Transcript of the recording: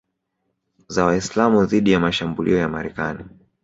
za Waislamu dhidi ya mashambulio ya Marekani